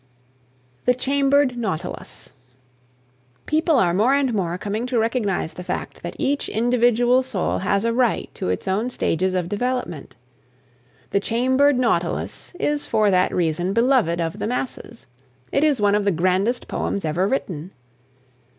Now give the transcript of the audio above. THE CHAMBERED NAUTILUS. People are more and more coming to recognise the fact that each individual soul has a right to its own stages of development. "The Chambered Nautilus" is for that reason beloved of the masses. It is one of the grandest poems ever written.